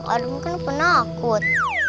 aduh mungkin aku nakut